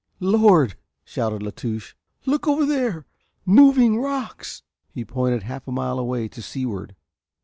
"Lord!" shouted La Touche. "Look over there moving rocks!" He pointed half a mile away to seaward.